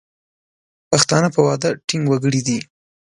پښتانه په وعده ټینګ وګړي دي.